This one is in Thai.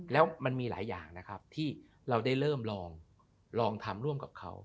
แล้วมันมีหลายอย่างนะครับที่เราได้เริ่มลองทำร่วมกับเขา